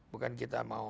bukan kita mau